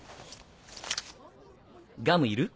ガムいる？